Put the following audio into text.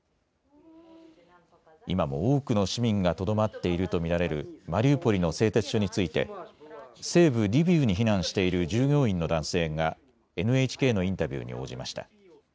今も多くの市民がとどまっていると見られるマリウポリの製鉄所について西部リビウに避難している従業員の男性がＮＨＫのインタビューに応じました。